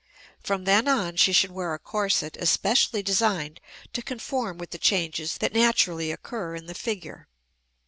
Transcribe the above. From then on she should wear a corset especially designed to conform with the changes that naturally occur in the figure.